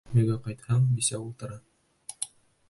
Өйгә ҡайтһаң, бисә ултыра.